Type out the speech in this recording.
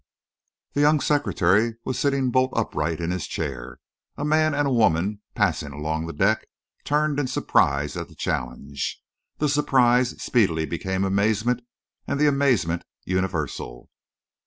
The young secretary was sitting bolt upright in his chair. A man and a woman, passing along the deck, turned in surprise at the challenge. The surprise speedily became amazement, and the amazement universal.